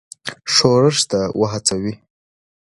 ښورښ ته وهڅوي.